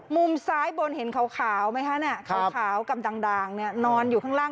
มุมซ้ายบนเห็นขาวมั้ยคะเนี่ยขาวกำดังนอนอยู่ข้างล่าง